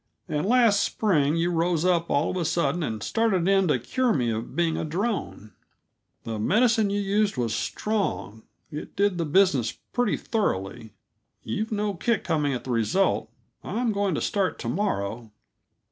"And last spring you rose up, all of a sudden, and started in to cure me of being a drone. The medicine you used was strong; it did the business pretty thoroughly. You've no kick coming at the result. I'm going to start to morrow."